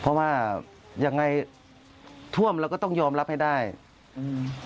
เพราะว่ายังไงท่วมเราก็ต้องยอมรับให้ได้อืม